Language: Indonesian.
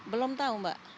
belum tahu mbak